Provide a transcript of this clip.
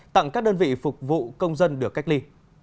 tặng các đơn vị phục vụ công dân được cách ly